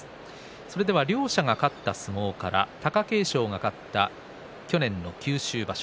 それでは両者が勝った相撲から貴景勝が勝った去年の九州場所。